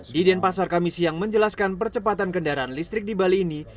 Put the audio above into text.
di denpasar kami siang menjelaskan percepatan kendaraan listrik di bali ini